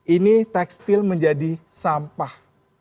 ini tekstil menjadi sampah